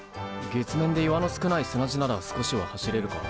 月面で岩の少ない砂地なら少しは走れるが。